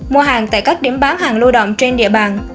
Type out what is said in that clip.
mua hàng tại các điểm bán hàng lưu động trên địa bàn